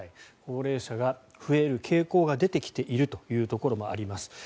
高齢者が増える傾向が出てきているというところもあります。